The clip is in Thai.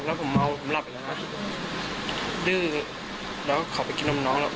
แล้วผมเมาผมหลับอีกแล้วนะดื้อแล้วเขาไปกินนมน้องแล้ว